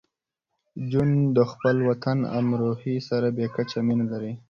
جون د خپل وطن امروهې سره بې کچه مینه لرله